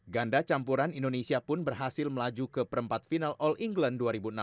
ganda campuran indonesia pun berhasil melaju ke perempat final all england dua ribu enam belas